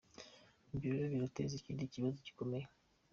Ibyo rero birateza ikindi kibazo gikomeye.